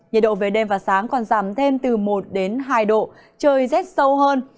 nhiệt độ về đêm và sáng còn giảm thêm từ một đến hai độ trời rét sâu hơn